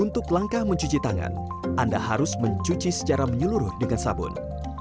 untuk langkah mencuci tangan anda harus mencuci secara menyeluruh dengan sabun